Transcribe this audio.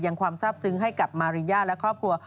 ความทราบซึ้งให้กับมาริยาและครอบครัว